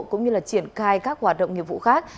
cũng như là triển khai các hoạt động nghiệp vụ khác